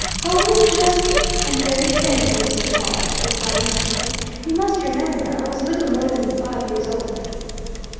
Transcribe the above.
"Only just and very faintly, Mr. Pawle," replied Miss Wickham. "You must remember I was little more than five years old."